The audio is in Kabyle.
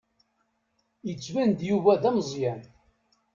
Yettban-d Yuba d ameẓẓyan.